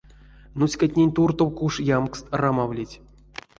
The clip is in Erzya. Нуцькатнень туртов куш ямкст рамавлить.